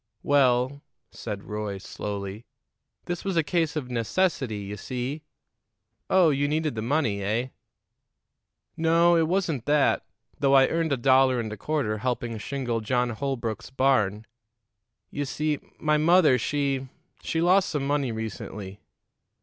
"Well," said Roy slowly, "this was a case of necessity, you see." "Oh, you needed the money, eh?" "No; it wasn't that, though I earned a dollar and a quarter helping shingle John Holbrook's barn. You see my mother, she she lost some money recently."